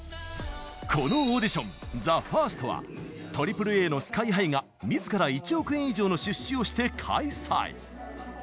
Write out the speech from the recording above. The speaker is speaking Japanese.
このオーディション「ＴＨＥＦＩＲＳＴ」はＡＡＡのＳＫＹ‐ＨＩがみずから１億円以上の出資をして開催。